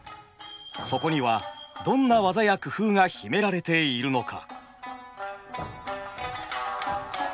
そこにはどんな技や工夫が秘められているのか。